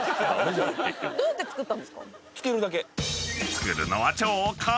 ［作るのは］